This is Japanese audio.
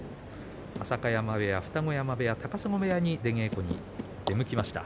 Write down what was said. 浅香山部屋、二子山部屋高砂部屋に出稽古に出向きました